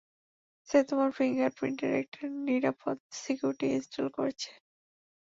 সে তোমার ফিঙ্গারপ্রিন্টের একটি নিরাপদ সিকিউরিটি ইনস্টল করেছে।